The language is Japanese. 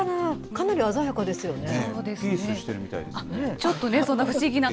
かなり鮮やかですよね。